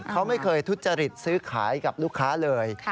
เขาไม่เคยทุจริตซื้อขายกับลูกค้าเลย